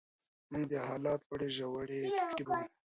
موږ د حالت لوړې ژورې تعقیبوو.